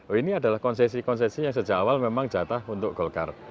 oh ini adalah konsesi konsesi yang sejak awal memang jatah untuk golkar